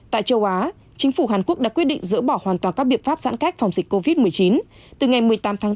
tại châu á chính phủ hàn quốc đã quyết định dỡ bỏ hoàn toàn các biện pháp giãn cách phòng dịch covid một mươi chín từ ngày một mươi tám tháng bốn